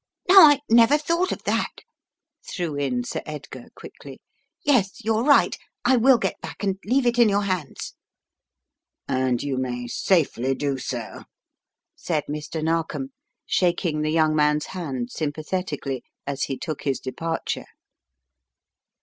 "Now I never thought of that!" threw in Sir Edgar quickly. "Yes, you're right. I will get back and leave it in your hands." "And you may safely do so," said Mr. Narkom, shaking the young man's hand sympathetically as he took his departure.